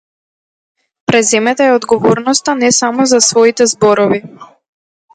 Преземете ја одговорноста не само за своите зборови.